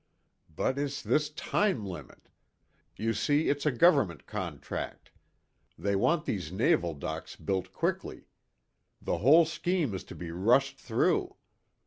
"But it's this time limit. You see, it's a government contract. They want these naval docks built quickly. The whole scheme is to be rushed through.